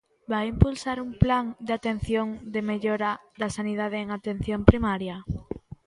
¿Vai impulsar un plan de atención de mellora da sanidade en atención primaria?